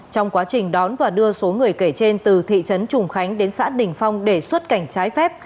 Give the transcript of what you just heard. trong quá trình đón và đưa số người kể trên từ thị trấn trùng khánh đến xã đình phong để xuất cảnh trái phép